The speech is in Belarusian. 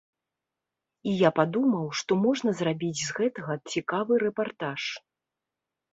І я падумаў, што можна зрабіць з гэтага цікавы рэпартаж.